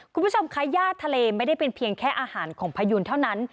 คุณผู้ชมคะย่าทะเลไม่ได้เป็นเพียงแค่อาหารของพยูนเท่านั้น